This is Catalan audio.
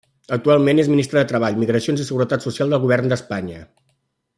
Actualment és ministra de Treball, Migracions i Seguretat Social del Govern d'Espanya.